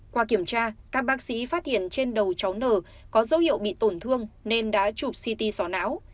qua kiểm tra các bác sĩ phát hiện trên đầu cháu n có dấu hiệu bị tổn thương nên đã chụp ct xóa não